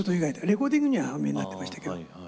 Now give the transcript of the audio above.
レコーディングにはお見えになってましたけど。